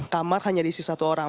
kamar hanya diisi satu orang